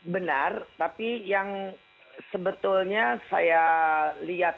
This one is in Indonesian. benar tapi yang sebetulnya saya lihat